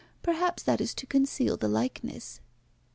Perhaps that is to conceal the likeness."